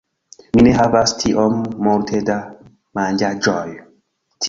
Mi ne havas tiom multe da manĝaĵoj tie